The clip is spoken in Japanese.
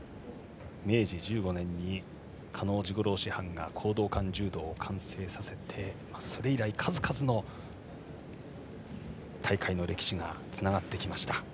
明治１５年に嘉納治五郎師範が講道館柔道を完成させてそれ以来数々の大会の歴史がつながってきました。